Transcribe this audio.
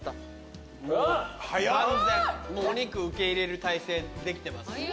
万全お肉受け入れる態勢できてます。